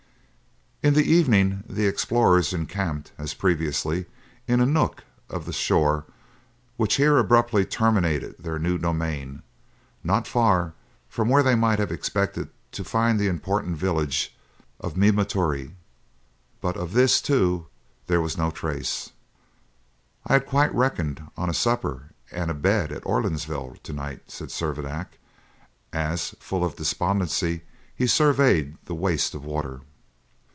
In the evening the explorers encamped, as previously, in a nook of the shore which here abruptly terminated their new domain, not far from where they might have expected to find the important village of Memounturroy; but of this, too, there was now no trace. "I had quite reckoned upon a supper and a bed at Orleansville to night," said Servadac, as, full of despondency, he surveyed the waste of water.